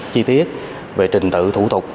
chi tiết về trình tự thủ tục